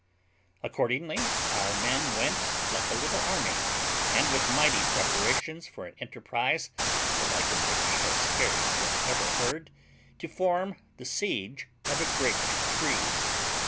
Accordingly, our men went like a little army, and with mighty preparations for an enterprise, the like of which has scarce been ever heard, to form the siege of a great tree.